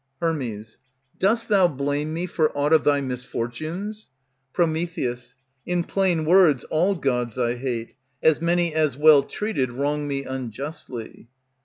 Her. Dost thou blame me for aught of thy misfortunes? Pr. In plain words, all gods I hate, As many as well treated wrong me unjustly.